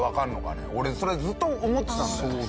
俺それずっと思ってたんだよ。